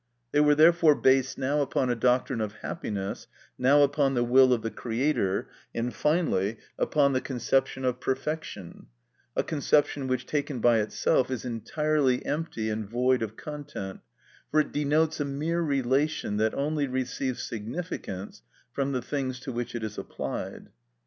They were therefore based now upon a doctrine of happiness, now upon the will of the Creator, and finally upon the conception of perfection; a conception which, taken by itself, is entirely empty and void of content, for it denotes a mere relation that only receives significance from the things to which it is applied.